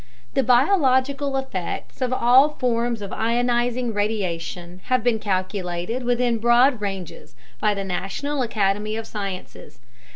The biological effects of all forms of ionizing radiation have been calculated within broad ranges by the National Academy of Sciences.